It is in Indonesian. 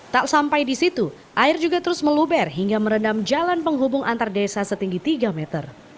tak sampai di situ air juga terus meluber hingga merendam jalan penghubung antar desa setinggi tiga meter